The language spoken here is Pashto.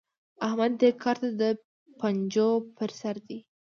احمد دې کار ته د پنجو پر سر دی.